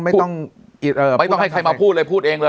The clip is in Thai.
ไม่ต้องไม่ต้องให้ใครมาพูดเลยพูดเองเลย